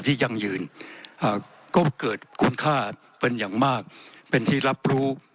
ยั่งยืนก็เกิดคุณค่าเป็นอย่างมากเป็นที่รับรู้